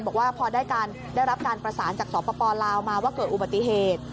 บอกว่าพอได้รับการประสานจากสปลาวมาว่าเกิดอุบัติเหตุ